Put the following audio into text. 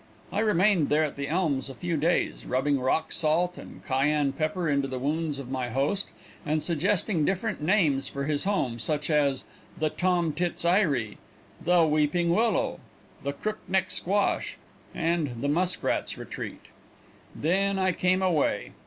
I remained there at The Elms a few days, rubbing rock salt and Cayenne pepper into the wounds of my host, and suggesting different names for his home, such as "The Tom Tit's Eyrie," "The Weeping Willow," "The Crook Neck Squash" and "The Muskrat's Retreat." Then I came away.